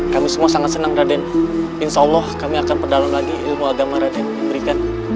kami semua sangat senang raden insya allah kami akan perdalam lagi ilmu agama raden yang diberikan